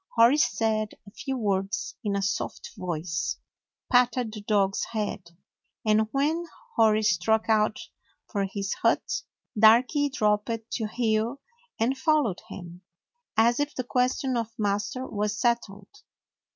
Hori said a few words in a soft voice, patted the dog's head, and when Hori struck out for his hut, Darky dropped to heel and followed him, as if the question of master was settled.